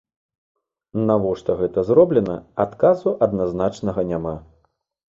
Навошта гэта зроблена, адказу адназначнага няма.